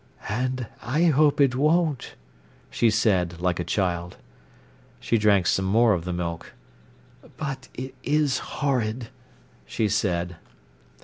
"And I hope it won't," she said, like a child. She drank some more of the milk. "But it is horrid!" she said.